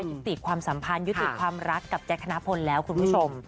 ยุติความสัมพันธ์ยุติความรักกับแจ๊คธนพลแล้วคุณผู้ชม